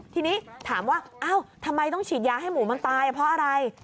ทีนี้ถามว่าอ้าวทำไมต้องฉีดยาให้หมูมันตายเพราะอะไร